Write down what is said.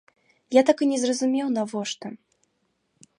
Я так і не зразумеў, навошта.